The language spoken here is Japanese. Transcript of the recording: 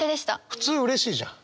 普通うれしいじゃん。